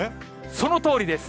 そのとおりです。